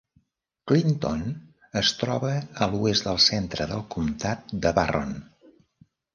Clinton es troba a l'oest del centre del comtat de Barron.